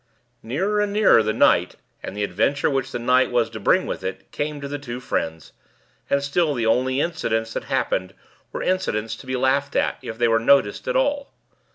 Nearer and nearer the night, and the adventure which the night was to bring with it, came to the two friends; and still the only incidents that happened were incidents to be laughed at, if they were noticed at all.